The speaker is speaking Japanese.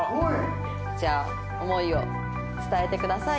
じゃあ思いを伝えてください。